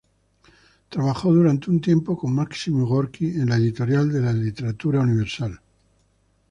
Trabajó durante un tiempo con Máximo Gorki, en la editorial de la Literatura Universal.